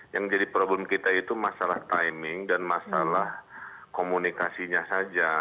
yang jadi problem kita itu masalah timing dan masalah komunikasinya saja